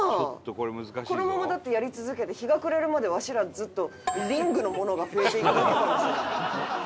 「このままだってやり続けて日が暮れるまでわしらずっとリングのものが増えていくだけかもしれない」